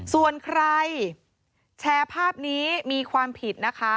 ส่วนใครแชร์ภาพนี้มีความผิดนะคะ